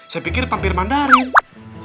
saya pikir pampir mandarin